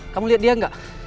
kamu liat dia gak